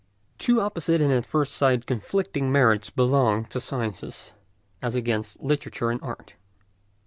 II Two opposite and at first sight conflicting merits belong to science as against literature and art.